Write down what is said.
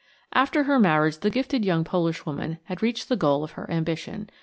After her marriage the gifted young Polish woman had reached the goal of her ambition.